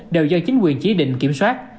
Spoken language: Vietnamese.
đều do chính quyền chí định kiểm soát